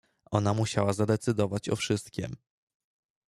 "Ona musiała zadecydować o wszystkiem."